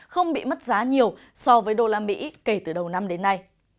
không bị mất giá nhiều so với usd kể từ đầu năm đến nay